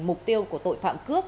mục tiêu của tội phạm cướp